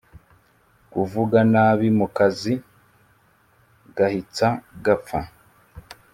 Kuvuga nabi mukazi gahitssa gapfa